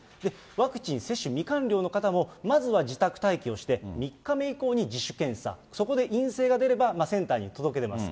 ワクチン接種未完了の方も、まずは自宅待機をして、３日目以降に自主検査、そこで陰性が出れば、センターに届け出ます。